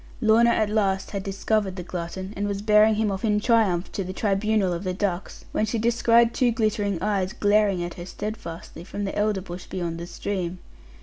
Lorna at last had discovered the glutton, and was bearing him off in triumph to the tribunal of the ducks, when she descried two glittering eyes glaring at her steadfastly, from the elder bush beyond the stream.